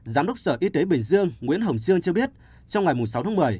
giám đốc sở y tế bình dương nguyễn hồng sương cho biết trong ngày sáu tháng một mươi